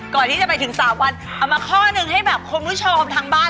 ก่อนที่จะไปถึงสามวันเอามาข้อหนึ่งให้แบบความมหวัดชอบทั้งบ้าน